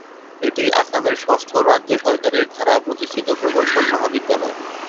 এটি আসামের ষষ্ঠ রাজ্য সরকারের দ্বারা প্রতিষ্ঠিত প্রকৌশল মহাবিদ্যালয়।